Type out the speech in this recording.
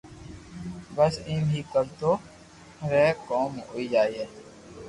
بس ايم ھي ڪرتو رھي ڪوم ھوئي جائي